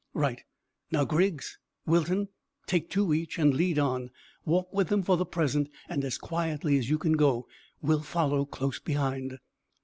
"Right. Now, Griggs Wilton; take two each, and lead on. Walk with them for the present, and as quietly as you can go. We'll follow close behind."